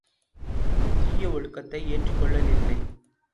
தீயஒழுக்கத்தை ஏற்றுக்கொள்ளல் இல்லை!